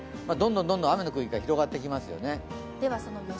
どんどん雨の区域が広がっていきますよね。